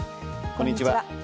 こんにちは。